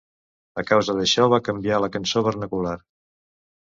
A causa d'això, va canviar la cançó vernacular.